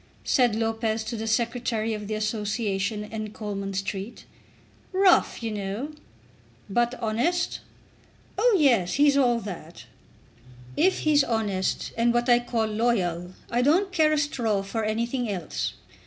said Lopez to the Secretary of the Association in Coleman Street. "Rough, you know." "But honest?" "Oh, yes; he's all that." "If he's honest, and what I call loyal, I don't care a straw for anything else.